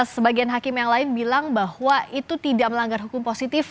sebagian hakim yang lain bilang bahwa itu tidak melanggar hukum positif